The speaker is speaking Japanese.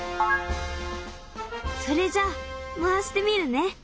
それじゃ回してみるね。